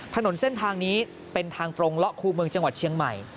ถนนเส้นทางนี้เป็นทางตรงเลาะคู่เมืองจังหวัดเชียงใหม่